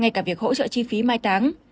ngay cả việc hỗ trợ chi phí mai táng